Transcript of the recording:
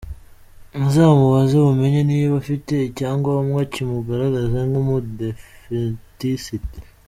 Muzamubaze mumenye niba afite icyangombwa kimugaragaza nk’Umudiventisiti.